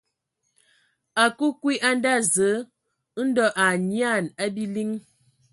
A kǝǝ kwi a nda Zǝǝ ndɔ a anyian a biliŋ.